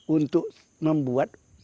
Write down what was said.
untuk membuat peti